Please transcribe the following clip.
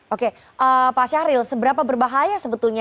oke pak syahril seberapa berbahaya sebetulnya